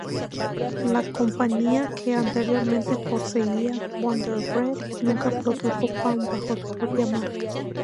La compañía, que anteriormente poseía Wonder Bread, nunca produjo pan bajo su propia marca.